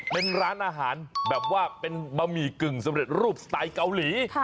เป็นร้านอาหารแบบว่าเป็นบะหมี่กึ่งสำเร็จรูปสไตล์เกาหลี